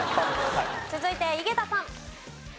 続いて井桁さん。